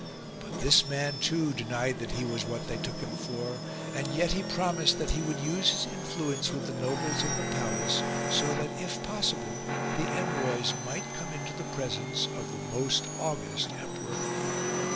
But this man too denied that he was what they took him for ; and yet he promised E.C. 113 H CHARLES'S SPLENDOUR that he would use his influence with the nobles of the palace, so that if possible the envoys might come into the presence of the most august emperor.